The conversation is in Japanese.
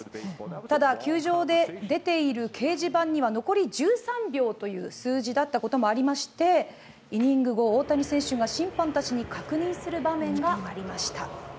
ただ、球場で出ている掲示板には残り１３秒という数字だったこともありまして、イニング後、大谷選手が審判たちに確認する場面がありました。